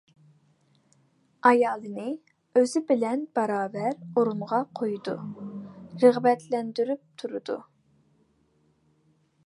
ئايالىنى ئۆزى بىلەن باراۋەر ئورۇنغا قويىدۇ، رىغبەتلەندۈرۈپ تۇرىدۇ.